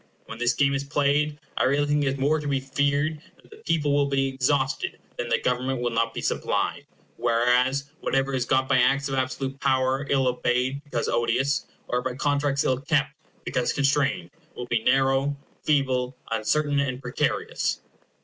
When this game is played, I really think it is more to be feared that the people will be exhausted, than that Government will not be supplied; whereas, whatever is got by acts of absolute power ill obeyed, because odious, or by contracts ill kept, because constrained, will be narrow, feeble, uncertain, and precarious.